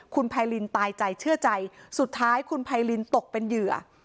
คุณไพรินตายใจเชื่อใจสุดท้ายคุณไพรินตกเป็นเหยื่อ